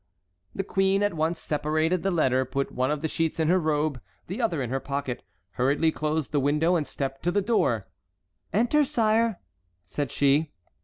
The queen at once separated the letter, put one of the sheets in her robe, the other in her pocket, hurriedly closed the window, and stepped to the door. "Enter, sire," said she.